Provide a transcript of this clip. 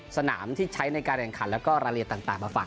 สนามที่ใช้ในการแรงขัดแล้วก็ระเละต่างมาฝาร